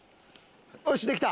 よしできた！